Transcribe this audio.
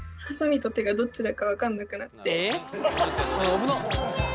危なっ！